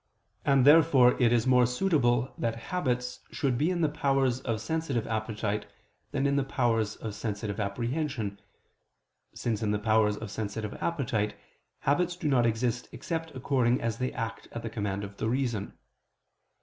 And therefore it is more suitable that habits should be in the powers of sensitive appetite than in the powers of sensitive apprehension, since in the powers of sensitive appetite habits do not exist except according as they act at the command of the reason.